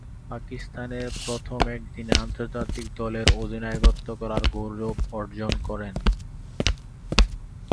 পাকিস্তানের প্রথম একদিনের আন্তর্জাতিকে দলের অধিনায়কত্ব করার গৌরব অর্জন করেন।